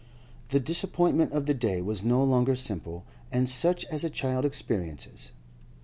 The disappointment of the day was no longer simple, and such as a child experiences.